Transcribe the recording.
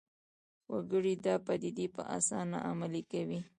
وګړي دا پدیدې په اسانۍ عملي کوي